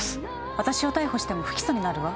私を逮捕しても不起訴になるわ。